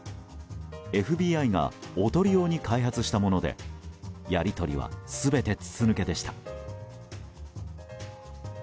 ＦＢＩがおとり用に開発したものでやり取りは全て筒抜けでした。